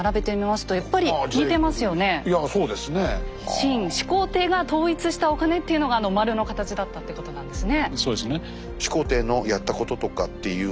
秦始皇帝が統一したお金っていうのが丸の形だったってことなんですね。